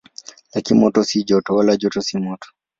Lakini moto si joto, wala joto si moto.